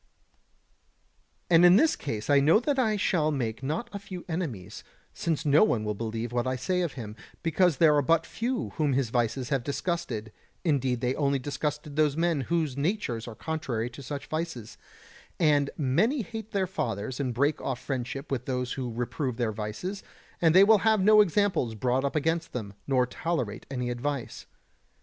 122. And in this case I know that I shall make not a few enemies, since no one will believe what I say of him; because there are but few whom his vices have disgusted, indeed they only disgusted those men whose natures are contrary to such vices; and many hate their fathers and break off friendship with those who reprove their vices, and they will have no examples brought up against them, nor tolerate any advice.